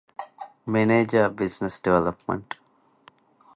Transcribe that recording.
މެނޭޖަރ، ބިޒްނަސް ޑިވެލޮޕްމަންޓް